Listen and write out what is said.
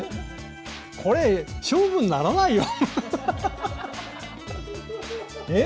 これ勝負にならないよ。